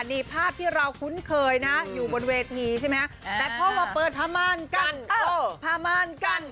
นี่ภาพที่เราคุ้นเคยนะอยู่บนเวทีใช่ไหมฮะแต่เพราะว่าเปิดพระม่านกันเอ่อพระม่านกันเอ่อ